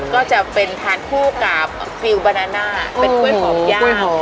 ก็จะเป็นทานคู่กับฟิลบานาน่าเป็นกล้วยหอมย่าง